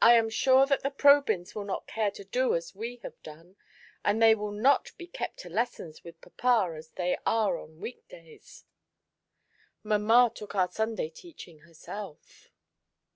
I am sure that the Probyns will not care to do as we have done, and they will not be kept to lessons with papa as they are on week days ; mamma took our Sunday teaching herself.